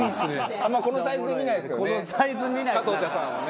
「あんまこのサイズで見ないですよね